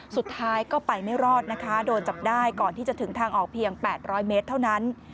สุดท้ายก็ไปไม่รอดนะคะโดนจับได้ก่อนที่จะถึงทางออกเพียง๘๐๐เมตรเท่านั้น